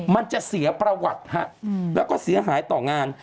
มันจะเสียประวัติฮะแล้วก็เสียหายต่องาน